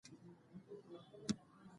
لګښت د عاید مطابق وکړئ.